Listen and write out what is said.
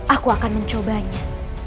aku akan mencobanya